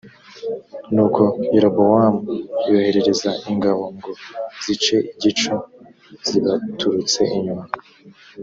nuko yerobowamu yohereza ingabo ngo zice igico zibaturutse inyuma